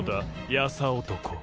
優男。